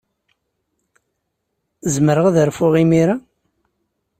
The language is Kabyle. Zemreɣ ad rfuɣ imir-a?